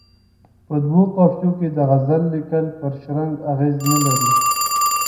په دوو قافیو کې د غزل لیکل پر شرنګ اغېز نه لري.